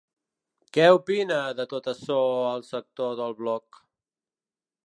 Que opina de tot açò el sector del bloc?